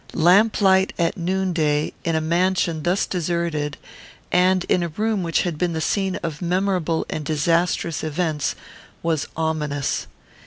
Lamplight at noonday, in a mansion thus deserted, and in a room which had been the scene of memorable and disastrous events, was ominous.